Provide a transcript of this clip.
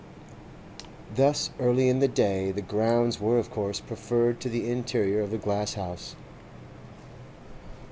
Thus early in the day, the grounds were of course preferred to the interior of the glass house.